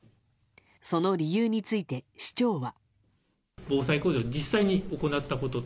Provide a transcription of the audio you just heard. その理由について市長は。